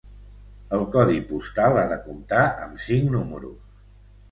El codi postal ha de comptar amb cinc números.